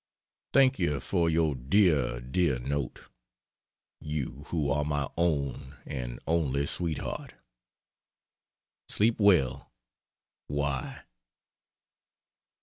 Thank you for your dear, dear note; you who are my own and only sweetheart. Sleep well! Y.